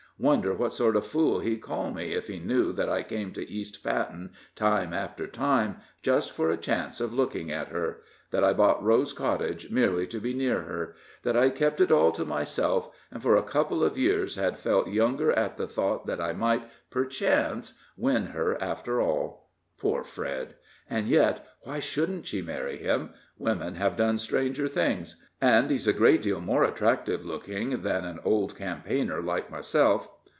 Wonder what sort of fool he'd call me if he knew that I came to East Patten, time after time, just for a chance of looking at her that I bought Rose Cottage merely to be near her that I'd kept it all to myself, and for a couple of years had felt younger at the thought that I might, perchance, win her after all? Poor Fred! And yet, why shouldn't she marry him? women have done stranger things; and he's a great deal more attractive looking than an old campaigner like myself.